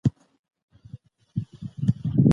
پرتله سته.